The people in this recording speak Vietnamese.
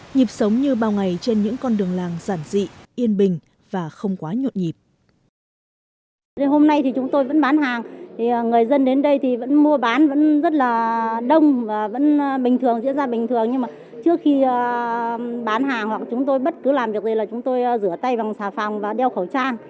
nhiệp sống như bao ngày trên những con đường làng giản dị yên bình và không quá nhuộn nhịp